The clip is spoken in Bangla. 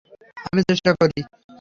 আমি চেষ্টা করি।